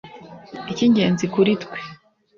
icy'ingenzi kuri twe